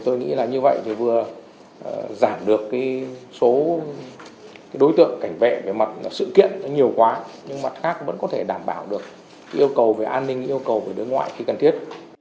tôi nghĩ là như vậy thì vừa giảm được số đối tượng cảnh vệ về mặt sự kiện nhiều quá nhưng mặt khác vẫn có thể đảm bảo được yêu cầu về an ninh yêu cầu về đối ngoại khi cần thiết